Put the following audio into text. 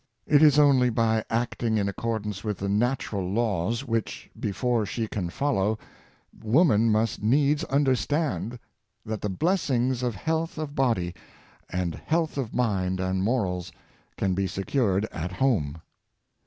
It is only by acting in accordance with the natural laws, which, before she can follow, woman must needs understand, that the blessings of health of body, and health of mind and morals, can be secured at home.